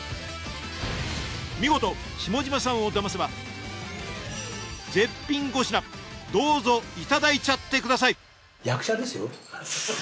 見事下嶋さんを騙せば絶品５品どうぞいただいちゃってくださいそうなんですよ。